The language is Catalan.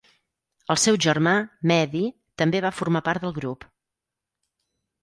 El seu germà, Mehdi, també va formar part del grup.